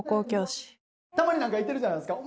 たまに何かいてるじゃないですか